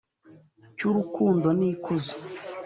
Cy'urukundo n'ikuzo